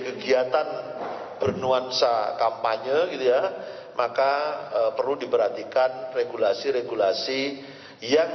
kegiatan bernuansa kampanye gitu ya maka perlu diperhatikan regulasi regulasi yang